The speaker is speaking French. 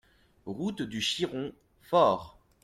Route du Chiron, Fors